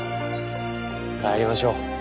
帰りましょう。